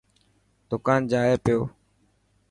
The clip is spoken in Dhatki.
دڪان جائي پيو.